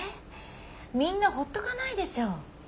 みんなほっとかないでしょ。